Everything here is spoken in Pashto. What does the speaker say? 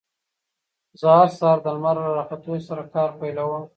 زه هر سهار د لمر له راختو سره کار پيلوم.